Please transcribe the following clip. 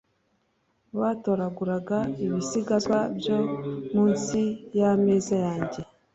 batoraguraga ibisigazwa byo mu nsi y'ameza yanjye